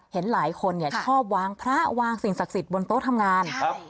เห็นหลายคนเนี่ยชอบวางพระวางสิ่งศักดิ์สิทธิ์บนโต๊ะทำงาน